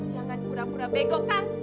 jangan pura pura bego kang